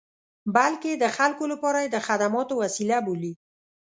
بلکې د خلکو لپاره یې د خدماتو وسیله بولي.